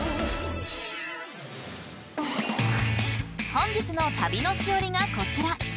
［本日の旅のしおりがこちら］